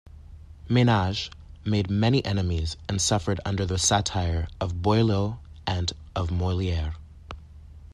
Ménage made many enemies and suffered under the satire of Boileau and of Molière.